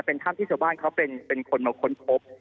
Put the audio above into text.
เป็นถ้ำที่ชาวบ้านเขาเป็นคนมาค้นพบ